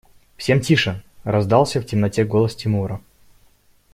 Всем тише! – раздался в темноте голос Тимура.